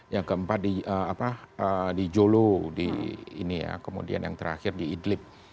yang keempat di jolo kemudian yang terakhir di idlib